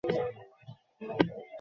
তিনি আইনের যথাযথ প্রয়োগ ঘটাতেন।